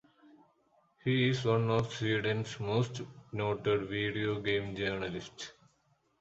He is one of Sweden's most noted video game journalists.